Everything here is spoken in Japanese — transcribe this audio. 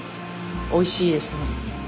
おいしいですね。